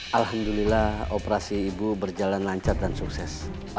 alhamdulillah operasi ibu berjalan lancar dan sukses